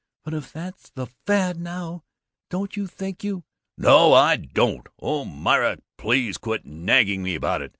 "But if it's the fad now, don't you think you " "No, I don't! Oh, Myra, please quit nagging me about it.